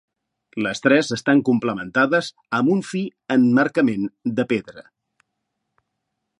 Les tres estan complementades amb un fi emmarcament de pedra.